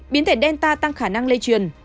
biến thể delta tăng khả năng lây truyền